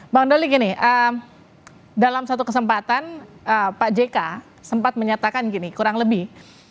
bang doli gini dalam satu kesempatan pak jk sempat menyatakan gini kurang lebih